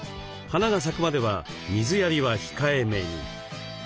花が咲くまでは水やりは控えめに。